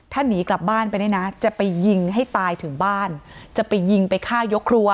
ถ้าหนีกลับบ้านไปเนี่ยนะจะไปยิงให้ตายถึงบ้านจะไปยิงไปฆ่ายกครัว